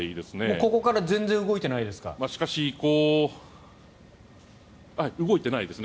ここから全然動いてないですか？